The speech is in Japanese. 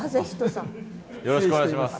よろしくお願いします。